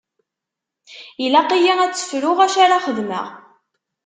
Ilaq-iyi ad tt-fruɣ acu ara xedmeɣ.